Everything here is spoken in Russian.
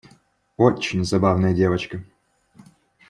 Очень забавная девочка.